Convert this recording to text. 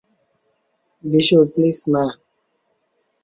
Bishu, please না।